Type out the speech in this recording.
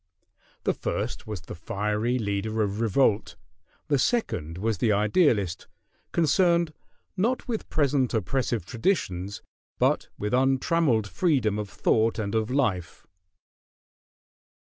The first was the fiery leader of revolt, the second was the idealist, concerned, not with present oppressive traditions, but with untrammeled freedom of thought and of life.